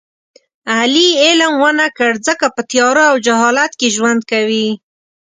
علي علم و نه کړ ځکه په تیارو او جهالت کې ژوند کوي.